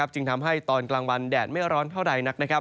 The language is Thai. จึงทำให้ตอนกลางวันแดดไม่ร้อนเท่าใด